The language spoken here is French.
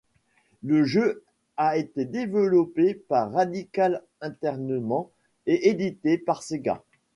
Le jeu a été développé par Radical Entertainment et édité par Sega.